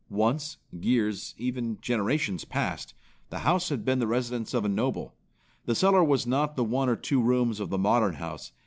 Once, years, even generations past, the house had been the residence of a noble. The cellar was not the one or two rooms of the modern house.